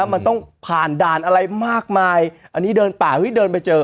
มันต้องผ่านด่านอะไรมากมายอันนี้เดินป่าเฮ้ยเดินไปเจอ